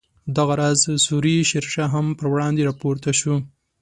دغه راز سوري شیر شاه هم پر وړاندې راپورته شو.